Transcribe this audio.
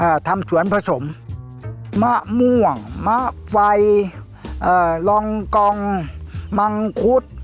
ทำสวนผสมมะม่วงมะไฟเอ่อลองกองมังคุด